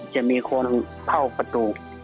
จะมีคนเข้าประตู